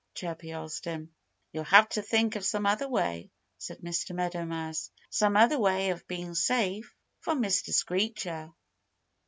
Chirpy asked him. "You'll have to think of some other way" said Mr. Meadow Mouse "some other way of being safe from Simon Screecher."